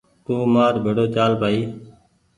تو مآر بهڙو چال بهائي